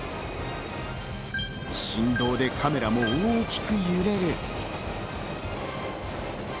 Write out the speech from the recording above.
振動でカメラも大きく揺れる。